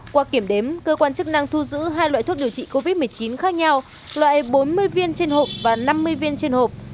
qua kiểm đếm cơ quan chức năng thu giữ hai loại thuốc điều trị covid một mươi chín khác nhau loại bốn mươi viên trên hộp và năm mươi viên trên hộp